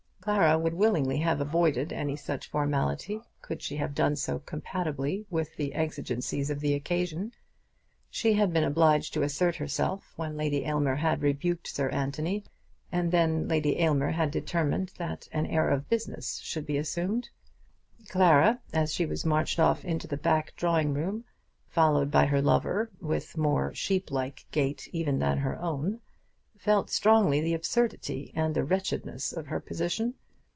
Clara would willingly have avoided any such formality could she have done so compatibly with the exigencies of the occasion. She had been obliged to assert herself when Lady Aylmer had rebuked Sir Anthony, and then Lady Aylmer had determined that an air of business should be assumed. Clara, as she was marched off into the back drawing room, followed by her lover with more sheep like gait even than her own, felt strongly the absurdity and the wretchedness of her position.